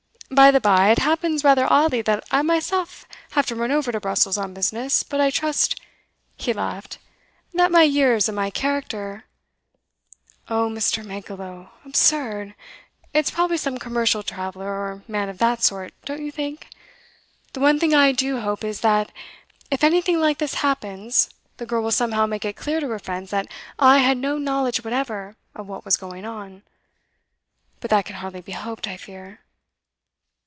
By the bye, it happens rather oddly that I myself have to run over to Brussels on business; but I trust' he laughed 'that my years and my character ' 'Oh, Mr. Mankelow, absurd! It's probably some commercial traveller, or man of that sort, don't you think? The one thing I do hope is, that, if anything like this happens, the girl will somehow make it clear to her friends that I had no knowledge whatever of what was going on. But that can hardly be hoped, I fear!